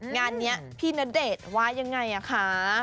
งานนี้พี่ณเดชน์ว่ายังไงอ่ะคะ